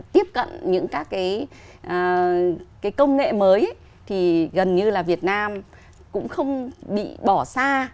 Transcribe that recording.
tiếp cận những các cái công nghệ mới thì gần như là việt nam cũng không bị bỏ xa